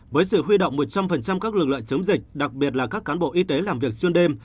với sự huy động một trăm linh các lực lượng chống dịch đặc biệt là các cán bộ y tế làm việc xuyên đêm